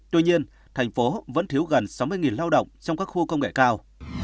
tuy nhiên thành phố vẫn thiếu gần sáu mươi lao động trong các khu công nghệ cao